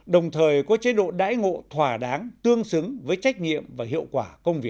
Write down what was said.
đồng thời có chế độ đãi ngộ thỏa đáng tương xứng với trách nhiệm và hiệu quả